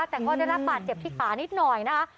แต่ก็ได้รับบาดเจ็บที่ขานิดหน่อยนะคะ